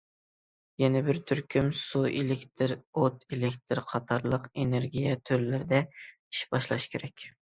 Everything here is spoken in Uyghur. يەنە بىر تۈركۈم سۇ ئېلېكتىر، ئوت ئېلېكتىر قاتارلىق ئېنېرگىيە تۈرلىرىدە ئىش باشلاش كېرەك.